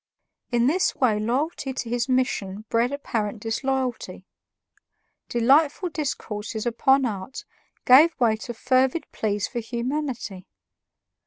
In this way loyalty to his mission bred apparent disloyalty. Delightful discourses upon art gave way to fervid pleas for humanity.